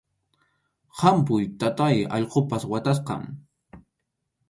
¡Hampuy, taytáy, allqupas watasqam!